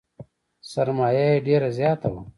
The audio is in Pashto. سرمایه یې ډېره زیاته وه .